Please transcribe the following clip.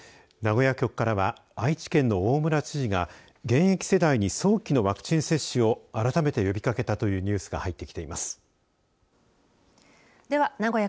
名古屋局からは愛知県の大村知事が現役世代に早期のワクチン接種を改めて呼びかけたというニュースが入ってきています。